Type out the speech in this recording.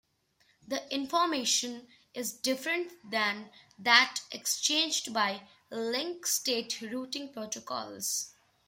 The information is different than that exchanged by link-state routing protocols.